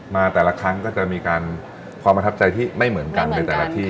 แต่ละครั้งก็จะมีการความประทับใจที่ไม่เหมือนกันในแต่ละที่